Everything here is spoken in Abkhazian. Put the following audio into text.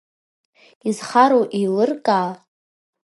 Изхароу еилыркаа…